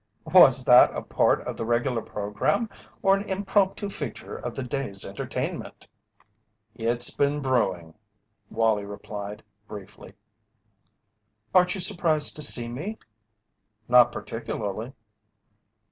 "Was that a part of the regular programme or an impromptu feature of the day's entertainment?" "It's been brewing," Wallie replied, briefly. "Aren't you surprised to see me?" "Not particularly."